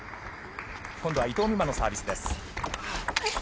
今度は伊藤美誠のサービスです。